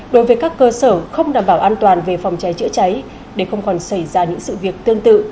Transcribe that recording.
đối với các cơ sở không đảm bảo an toàn về phòng cháy chữa cháy để không còn xảy ra những sự việc tương tự